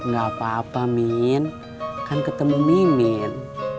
gak apa apa min kan ketemu mimin